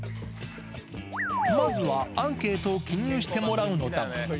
まずはアンケートを記入してもらうのだが。